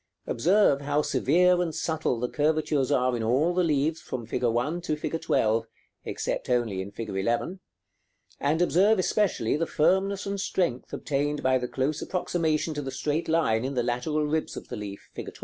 Observe how severe and subtle the curvatures are in all the leaves from fig. 1 to fig. 12, except only in fig. 11; and observe especially the firmness and strength obtained by the close approximation to the straight line in the lateral ribs of the leaf, fig.